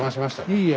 いいえ。